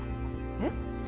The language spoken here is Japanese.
えっ？